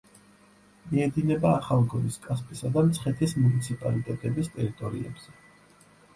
მიედინება ახალგორის, კასპისა და მცხეთის მუნიციპალიტეტების ტერიტორიებზე.